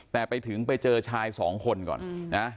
แต่ไปถึงไปเจอชายสองคนก่อนนะ